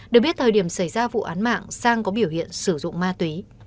được biết thời điểm xảy ra vụ án mạng sang có biểu hiện sử dụng ma túy